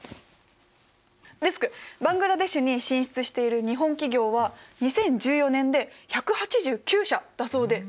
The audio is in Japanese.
デスクバングラデシュに進出している日本企業は２０１４年で１８９社だそうでそのほとんどが縫製関連みたいです。